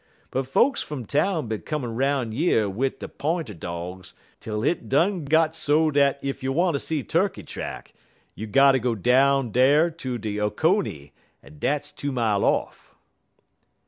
But folks fum town been comin' 'roun' yer wid der p'inter dogs twel hit done got so dat ef you wanter see turkey track you gotter go down dar ter de Oconee, en dat's two mile off."